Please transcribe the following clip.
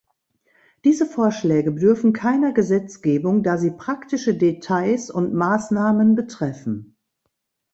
Diese Vorschläge bedürfen keiner Gesetzgebung, da sie praktische Details und Maßnahmen betreffen.